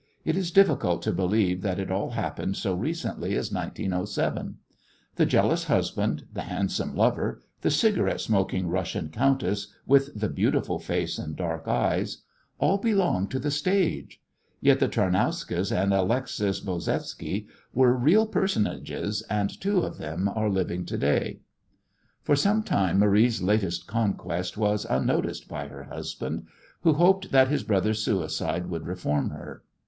It is difficult to believe that it all happened so recently as 1907. The jealous husband, the handsome lover, the cigarette smoking Russian countess with the beautiful face and dark eyes all belong to the stage; yet the Tarnowskas and Alexis Bozevsky were real personages, and two of them are living to day. For some time Marie's latest conquest was unnoticed by her husband, who hoped that his brother's suicide would reform her.